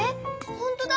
ほんとだ！